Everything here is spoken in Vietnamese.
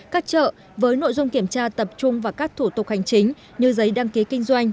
các chợ với nội dung kiểm tra tập trung vào các thủ tục hành chính như giấy đăng ký kinh doanh